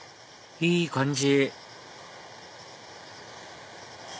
いい感じ